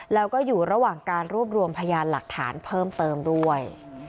แล้วก็อยู่ระหว่างการรวบรวมพยานหลักฐานเพิ่มเติมด้วย